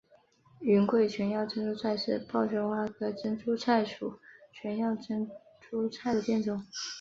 云贵腺药珍珠菜是报春花科珍珠菜属腺药珍珠菜的变种。